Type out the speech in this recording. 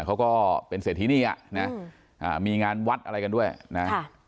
เขาก็เป็นเศรษฐีนี่อ่ะนะมีงานวัดอะไรกันด้วยนะ